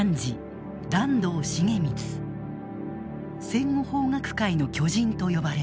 「戦後法学界の巨人」と呼ばれる。